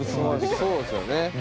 そうですよね。